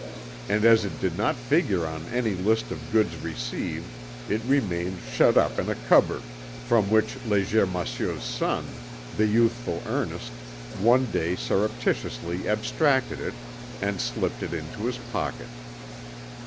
And as it did not figure on any list of goods received it remained shut up in a cupboard, from which Léger Massieu's son, the youthful Ernest, one day surreptitiously abstracted it, and slipped it into his pocket.